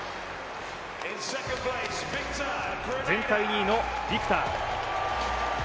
全体２位のビクター。